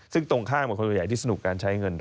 ซึ่งตรงข้ามกับคนใหญ่ที่สนุกการใช้เงิน